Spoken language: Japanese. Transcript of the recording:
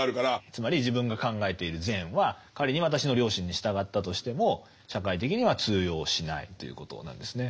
つまり自分が考えている善は仮に私の良心に従ったとしても社会的には通用しないということなんですね。